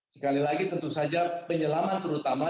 sekali lagi tentu saja penyelaman terutama